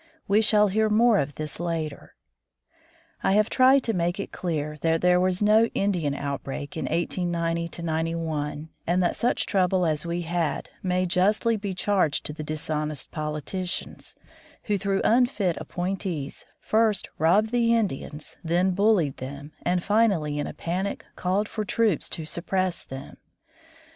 We shall hear more of this later. I have tried to make it clear that there was no "Indian outbreak" in 1890 91, and that such trouble as we had may justly be charged to the dishonest politicians, who through unfit appointees first robbed the Indians, then bullied them, and finally in a panic called for troops to suppress them.